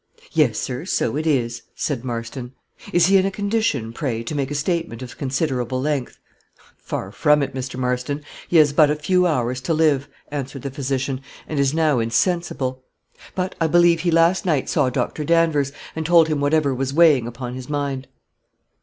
"Yes, sir, so it is," said Marston. "Is he in a condition, pray, to make a statement of considerable length?" "Far from it, Mr. Marston; he has but a few hours to live," answered the physician, "and is now insensible; but I believe he last night saw Dr. Danvers, and told him whatever was weighing upon his mind."